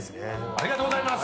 ありがとうございます！